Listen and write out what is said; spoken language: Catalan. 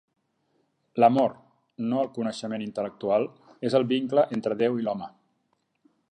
L'amor, no el coneixement intel·lectual, és el vincle entre Déu i l'home.